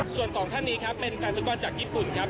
ส่วนสองท่านนี้ครับเป็นแฟนฟุตบอลจากญี่ปุ่นครับ